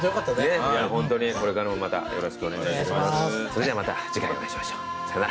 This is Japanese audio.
それじゃあまた次回お会いしましょう。